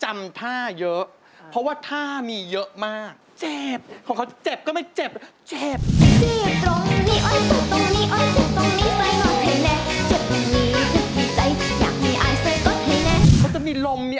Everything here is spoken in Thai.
เรื่องราวมากมายในชีวิต